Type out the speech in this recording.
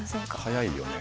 速いよね。